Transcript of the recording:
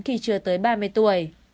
khi chưa tới ba mươi tuổi